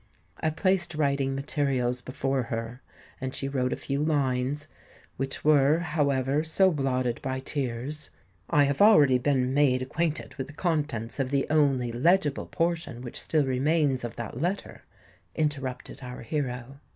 I placed writing materials before her; and she wrote a few lines, which were, however, so blotted by tears——" "I have already been made acquainted with the contents of the only legible portion which still remains of that letter," interrupted our hero.